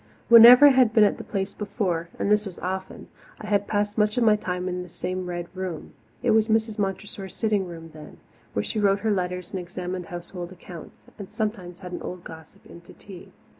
Whenever I had been at the Place before and this was often I had passed much of my time in this same Red Room. It was Mrs. Montressor's sitting room then, where she wrote her letters and examined household accounts, and sometimes had an old gossip in to tea.